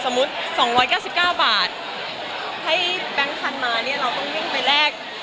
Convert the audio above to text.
สมมุติ๒๙๙บาทให้แบงค์คันมาเราต้องเร่งไปแลก